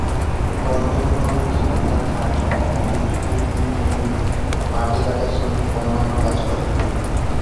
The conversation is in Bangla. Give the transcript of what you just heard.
বর্তমানে অনেক সাঁওতাল নারী-পুরুষ কুলি, মজুর, মাটি কাটার শ্রমিক ও অন্যান্য কাজ করে।